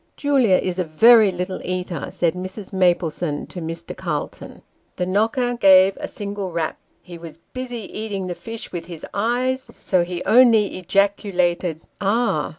" Julia is a very little eater," said Mrs. Maplesone to Mr. Calton. The knocker gave a single rap. He was busy eating the fish with his eyes : so he only ejaculated, " Ah